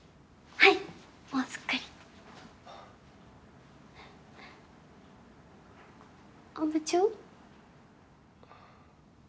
はいもうすっかり部長？